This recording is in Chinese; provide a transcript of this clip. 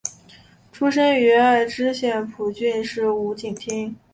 出身于爱知县蒲郡市五井町。